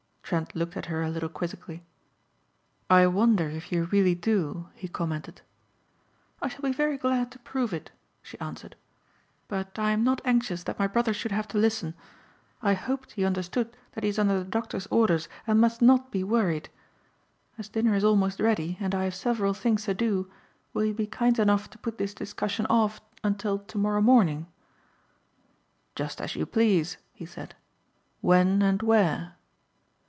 Trent looked at her a little quizzically. "I wonder if you really do," he commented. "I shall be very glad to prove it," she answered, "but I am not anxious that my brother should have to listen. I hoped you understood that he is under the doctors' orders and must not be worried. As dinner is almost ready and I have several things to do will you be kind enough to put this discussion off until tomorrow morning?" "Just as you please," he said. "When and where?"